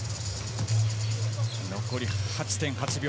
残り８．８秒。